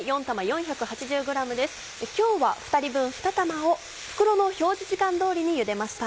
今日は２人分２玉を袋の表示時間通りにゆでました。